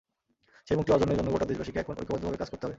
সেই মুক্তি অর্জনের জন্য গোটা দেশবাসীকে এখন ঐক্যবদ্ধভাবে কাজ করতে হবে।